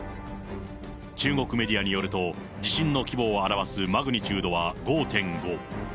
中国メディアによると、地震の規模を表すマグニチュードは５．５。